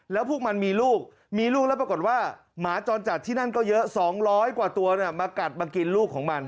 แล้วพวกมันมีลูกมีลูกแล้วปรากฏว่าหมาจรจัดที่นั่นก็เยอะ๒๐๐กว่าตัวมากัดมากินลูกของมัน